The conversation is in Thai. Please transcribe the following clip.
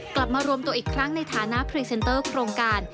กลับมารวมตัวอีกครั้งในฐานะพรีเซนเตอร์โครงการ